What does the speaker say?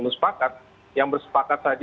sepakat yang bersepakat saja